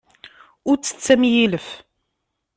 Ur ttett am yilef.